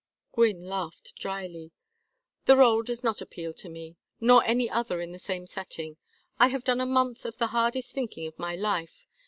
Gwynne laughed dryly. "The rôle does not appeal to me; nor any other in the same setting. I have done a month of the hardest thinking of my life.